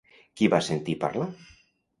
Qui va sentir parlar?